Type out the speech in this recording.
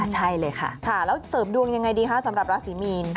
ใช่เลยค่ะแล้วเสริมดวงยังไงดีคะสำหรับราศีมีน